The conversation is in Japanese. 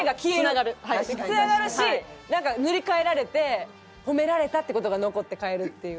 繋がるしなんか塗り替えられて褒められたって事が残って帰るっていう。